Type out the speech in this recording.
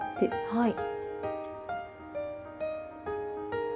はい。